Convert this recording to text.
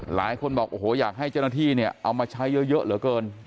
หลายคนบอกโอ้โหอยากให้เจ้าหน้าที่เนี่ยเอามาใช้เยอะเหลือเกิน